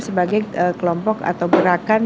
sebagai kelompok atau gerakan